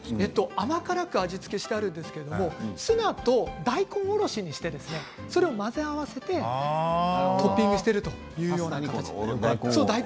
甘辛く味付けしてあるんですけれどもツナと大根おろしにしてそれを混ぜ合わせてトッピングしているというものです。